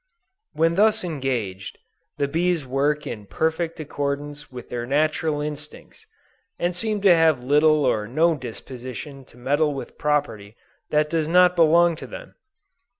_ When thus engaged, the bees work in perfect accordance with their natural instincts, and seem to have little or no disposition to meddle with property that does not belong to them.